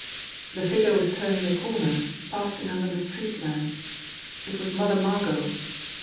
The figure was turning the corner, passing under the street lamp. It was Mother Margot